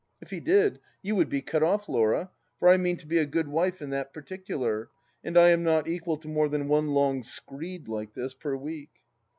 If he did, you would be cut oft, Laura, for I mean to be a good wife in that particular, and I am not equal to more than one long screed like this per week.